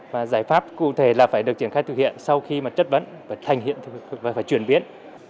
và giải pháp cụ thể là phải được triển khai thực hiện sau khi mà chất vấn và thành hiện và phải chuyển biến